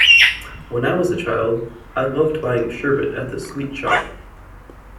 When I was a child, I loved buying sherbet at the sweet shop